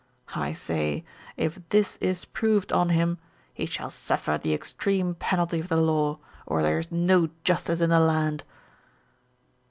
I say if this is proved on him, he shall suffer the extreme penalty of the law, or there is no justice in the land."